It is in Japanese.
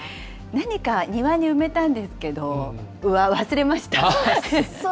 何か庭に埋めたんですけど、忘れました。